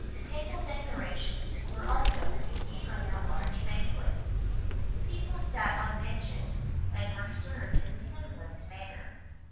Table decorations were unknown even at large banquets, people sat on benches and were served in the simplest manner.